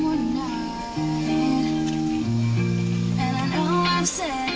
เป็นนอนที่นี่ที่อยู่บี้ง